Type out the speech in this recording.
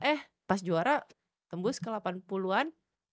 eh pas juara tembus ke delapan puluh an